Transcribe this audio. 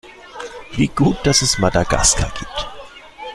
Wie gut, dass es Madagaskar gibt!